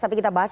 tapi kita bahas